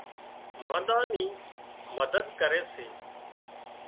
مانۮان نِي مدد ڪري سي